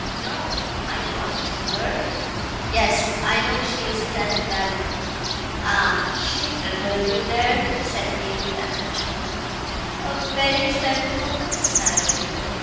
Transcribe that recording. "No. Are you after her?" "Yes, I know she isn't an invalid." "Ah, she diddled you there," said Hale with another chuckle, "a very clever woman is Maraquito.